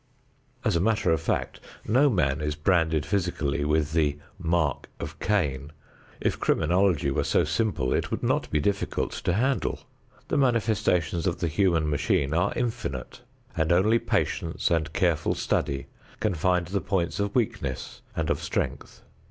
As a matter of fact, no man is branded physically with the "mark of Cain." If criminology were so simple it would not be difficult to handle. The manifestations of the human machine are infinite and only patience and careful study can find the points of weakness and of strength.